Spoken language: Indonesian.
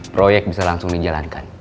proyek bisa langsung dijalankan